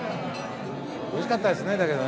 おいしかったですねだけどね。